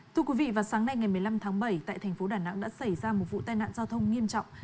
thưa quý vị vào sáng nay ngày một mươi năm tháng bảy tại thành phố đà nẵng đã xảy ra một vụ tai nạn giao thông nghiêm trọng